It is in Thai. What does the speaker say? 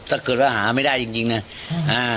ถ้าเกิดว่าหาไม่ได้จริงจริงนะอ่า